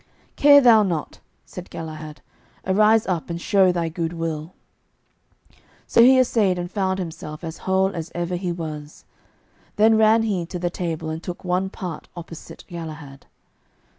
"Care thou not," said Galahad; "arise up and show thy good will." So he assayed, and found himself as whole as ever he was. Then ran he to the table, and took one part opposite Galahad.